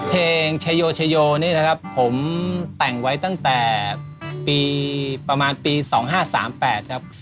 ชโยชโยนี่นะครับผมแต่งไว้ตั้งแต่ปีประมาณปี๒๕๓๘ครับ